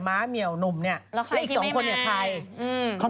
ม้ามี่องนุ่มนี่และอีกสองคนในนี่คลาย